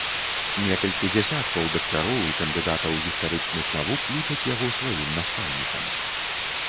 Некалькі дзясяткаў дактароў і кандыдатаў гістарычных навук лічаць яго сваім настаўнікам.